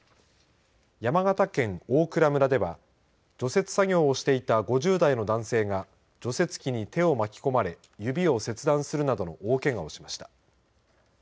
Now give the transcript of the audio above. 山形県大蔵村では除雪作業をしていた５０代の男性が除雪機に手を巻き込まれ指を切断するなどの大けがをしました。